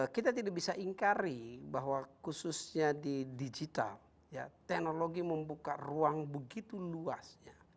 kita tidak bisa ingkari bahwa khususnya di digital teknologi membuka ruang begitu luas